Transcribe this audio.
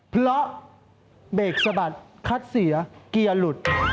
เพราะเบรกสะบัดคัดเสียเกียร์หลุด